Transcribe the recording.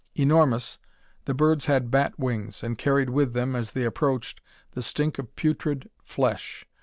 Enormous, the birds had bat wings, and carried with them, as they approached, the stink of putrid flesh.